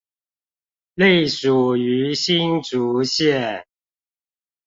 隸屬於新竹縣